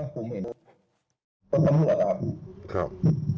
ปุ๊มเห็นว่ารถถำรวจครับ